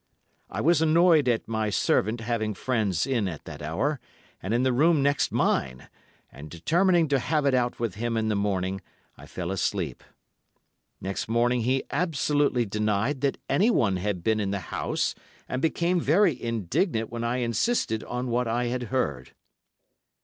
I was annoyed at my servant having friends in at that hour, and in the room next mine, and determining to have it out with him in the morning, I fell asleep. Next morning he absolutely denied that anyone had been in the house, and became very indignant when I insisted on what I had heard.